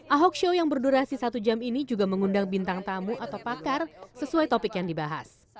ahok show yang berdurasi satu jam ini juga mengundang bintang tamu atau pakar sesuai topik yang dibahas